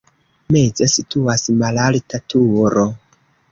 Meze situas malalta turo.